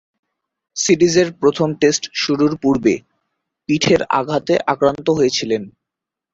সিরিজের প্রথম টেস্ট শুরুর পূর্বে পিঠের আঘাতে আক্রান্ত হয়েছিলেন।